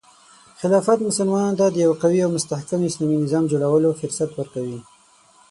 خلافت مسلمانانو ته د یو قوي او مستحکم اسلامي نظام جوړولو فرصت ورکوي.